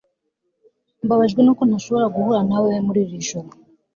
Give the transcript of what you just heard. Mbabajwe nuko ntashobora guhura nawe muri iri joro